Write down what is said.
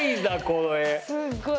すっごい。